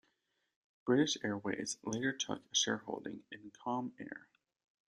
British Airways later took a shareholding in Comair.